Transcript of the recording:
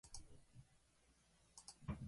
埼玉県三芳町